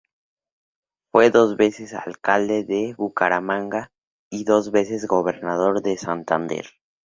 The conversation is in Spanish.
Fue dos veces Alcalde de Bucaramanga, y dos veces Gobernador de Santander.